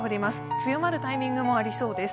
強まるタイミングもありそうです。